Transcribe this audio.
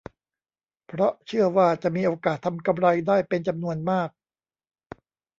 เพราะเชื่อว่าจะมีโอกาสทำกำไรได้เป็นจำนวนมาก